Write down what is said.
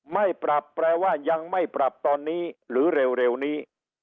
ไม่ปรับแปลว่ายังไม่ปรับตอนนี้หรือเร็วนี้